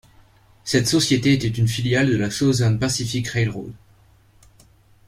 Cette société était une filiale de la Southern Pacific Railroad.